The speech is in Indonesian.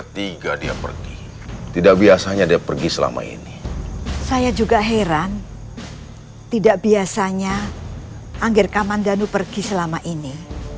tidak biasanya anggir kamandanu pergi selama ini